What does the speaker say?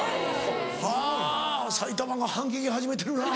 はぁ埼玉が反撃始めてるな。